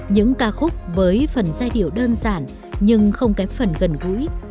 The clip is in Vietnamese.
những ca khúc với phần giai điệu đơn giản nhưng không kém phần gần gũi